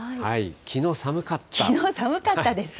きのう寒かったです。